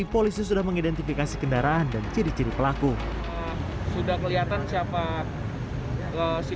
polisi sudah mengidentifikasi kendaraan dan ciri ciri pelaku sudah kelihatan siapa ke si